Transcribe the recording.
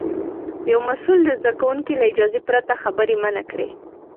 یو مسوول د زده کوونکي له اجازې پرته خبرې منع کړې.